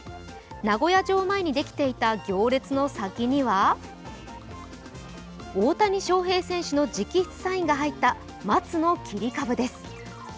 名古屋城前にできていた行列の先には大谷翔平選手の直筆サインが入った松の切り株です。